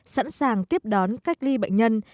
sẵn sàng tiếp đón cách ly bệnh nhân